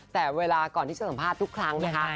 แต่เวลาก่อนที่จะสัมภาษณ์ทุกครั้งนะคะ